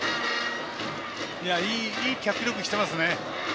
いい脚力していますね。